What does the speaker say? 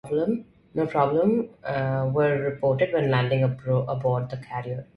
No problems were reported when landing aboard the carrier.